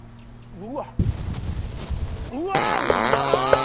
うわうまっ！